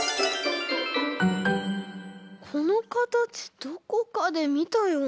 このかたちどこかでみたような。